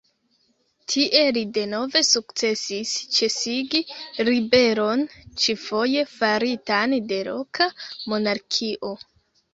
Tie li denove sukcesis ĉesigi ribelon, ĉifoje faritan de loka monarkio.